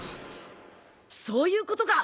そういうことか！